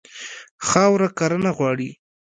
خاوره کرنه غواړي.